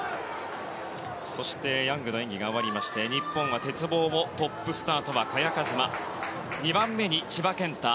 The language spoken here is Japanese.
そして、ヤングの演技が終わりまして日本は鉄棒もトップスタートは萱和磨２番目に千葉健太